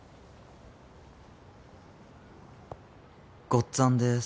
「ごっつぁんです」。